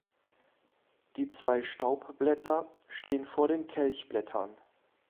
Die zwei Staubblätter stehen vor den Kelchblättern.